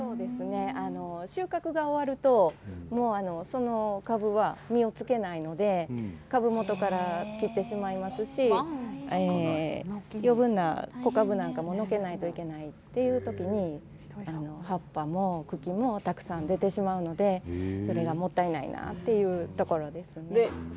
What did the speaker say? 収穫が終わるともうその株は実をつけないので株元から切ってしまいますし余分な小かぶなんかものけないといけないということで葉っぱも茎もたくさん出てしまうのでそれもったいないなというところですね。